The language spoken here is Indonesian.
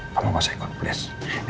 kamu gak usah ikut please